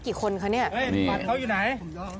เนี่ยละบัตรเขาอยู่ไหน